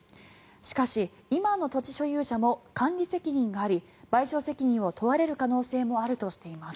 しかし、今の土地所有者も管理責任があり賠償責任を問われる可能性もあるとしています。